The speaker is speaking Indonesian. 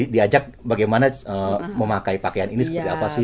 diajak bagaimana memakai pakaian ini seperti apa sih